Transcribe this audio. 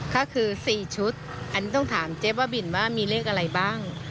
ก็คือ๔ชุดอันนี้ต้องถามเจ๊บ้าบินว่ามีเลขอะไรบ้าง